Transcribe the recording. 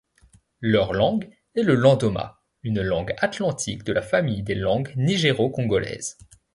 Leur langue est le landoma, une langue atlantique de la famille des langues nigéro-congolaises.